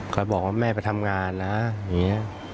เขาบอกว่าแม่ไปทำงานนะอย่างนี้